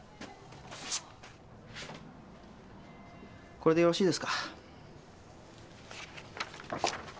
これでよろしいですか？